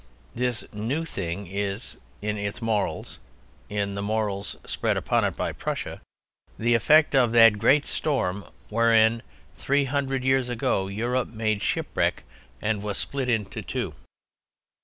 This New Thing is, in its morals, in the morals spread upon it by Prussia, the effect of that great storm wherein three hundred years ago Europe made shipwreck and was split into two.